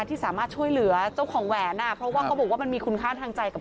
ถามว่าตื่นเต้นไหมทุกครั้งที่เราภูมิใจมากกว่า